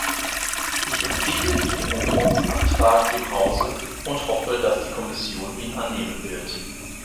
Ich empfehle diesen Änderungsantrag dem Hause und hoffe, dass die Kommission ihn annehmen wird.